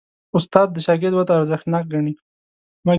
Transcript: استاد د شاګرد وده ارزښتناک ګڼي.